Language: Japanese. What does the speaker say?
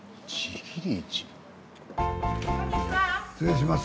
失礼します。